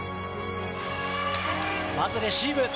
まずレシーブ。